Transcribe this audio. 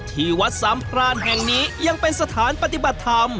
ที่วัดสามพรานแห่งนี้ยังเป็นสถานปฏิบัติธรรม